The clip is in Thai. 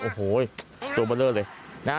โอ้โหตัวเบลอเลย